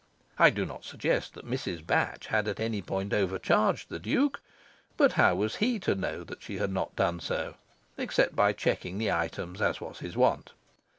I do not suggest that Mrs. Batch had at any point overcharged the Duke; but how was he to know that she had not done so, except by checking the items, as was his wont?